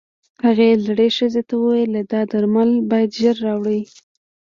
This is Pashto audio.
هغې زړې ښځې ته وويل دا درمل بايد ژر راوړې.